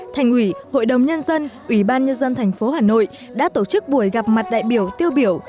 thành ủy hội đồng nhân dân ủy ban nhân dân thành phố hà nội đã tổ chức buổi gặp mặt đại biểu tiêu biểu